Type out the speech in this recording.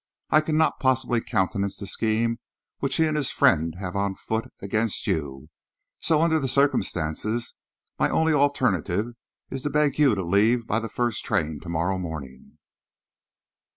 I cannot possibly countenance the scheme which he and his friend have on foot against you, so under the circumstances my only alternative is to beg you to leave by the first train to morrow morning."